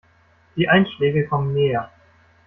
Die Einschläge kommen näher.